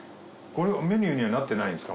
メニューにはなってないんですか？